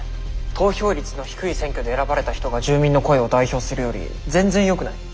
投票率の低い選挙で選ばれた人が住民の声を代表するより全然よくない？